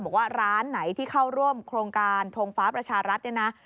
บอกว่าร้านไหนที่เข้าร่วมโครงการทงฟ้าประชารัฐเนี่ยนะ